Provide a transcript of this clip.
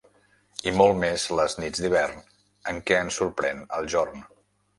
I molt més les nits d'hivern en què ens sorprèn el jorn.